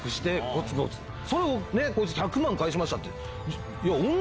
それをこいつ「１００万返しました」って。